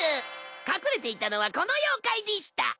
隠れていたのはこの妖怪でした。